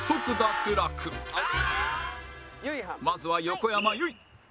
まずは横山由依